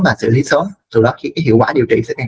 và xử lý sớm từ đó hiệu quả điều trị sẽ càng cao hơn